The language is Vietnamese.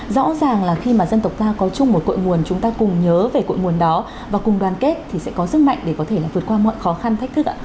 rõ ràng là khi mà dân tộc ta có chung một cội nguồn chúng ta cùng nhớ về cội nguồn đó và cùng đoàn kết thì sẽ có sức mạnh để có thể là vượt qua mọi khó khăn thách thức ạ